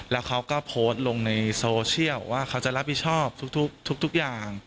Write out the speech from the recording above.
แล้วเขาก็โพสต์ลงในโซเชียลว่าเขาจะรับผิดชอบทุกอย่าง